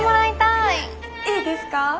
いいですか？